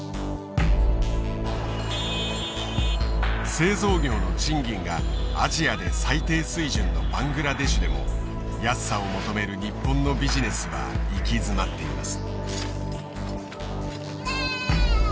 製造業の賃金がアジアで最低水準のバングラデシュでも安さを求める日本のビジネスは行き詰まっています。